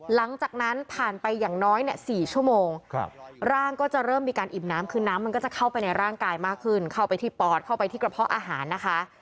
หลังจากนั้นผ่านไปอย่างน้อย๔ชั่วโมงร่างก็จะเริ่มมีการอิ่มน้ำคือน้ำมันก็จะเข้าไปในร่างกายมากขึ้นเข้าไปที่ปอดเข้าไปที่กระเพาะอาหารนะคะ